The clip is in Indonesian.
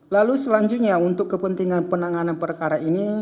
lalu selanjutnya untuk kepentingan penanganan perkara ini